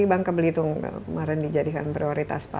kenapa yang di banka belitung kemarin dijadikan prioritas pak nurdin